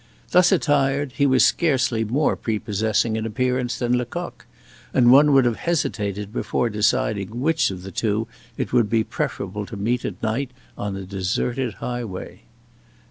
Thus attired, he was scarcely more prepossessing in appearance than Lecoq, and one would have hesitated before deciding which of the two it would be preferable to meet at night on a deserted highway.